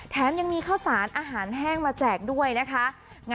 แถมยังมีข้าวสารอาหารแห้งมาแจกด้วยนะคะ